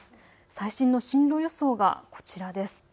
最新の進路予想がこちらです。